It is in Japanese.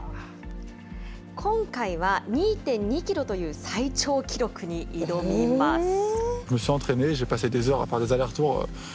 今回は２．２キロという最長記録に挑みます。